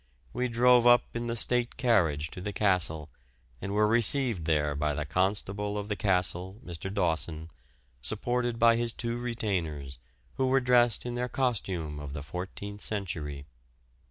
We drove up in the State carriage to the castle, and were received there by the Constable of the Castle, Mr. Dawson, supported by his two retainers, who were dressed in their costume of the fourteenth century.